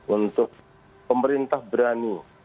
untuk pemerintah berani